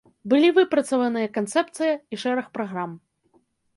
Былі выпрацаваныя канцэпцыя і шэраг праграм.